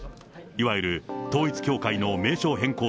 いわゆる統一教会の名称変更